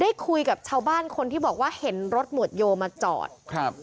ได้คุยกับชาวบ้านคนที่บอกว่าเห็นรถหมวดโยมาจอดครับ